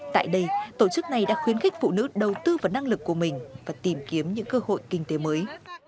tại đây tổ chức này đã khuyến khích phụ nữ đầu tư vào năng lực của mình và tìm kiếm những cơ hội kinh tế mới